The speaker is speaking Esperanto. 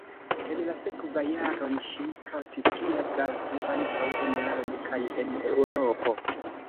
En la sekvaj jaroj ŝi kantis kiel gasto ankaŭ enlande kaj en Eŭropo.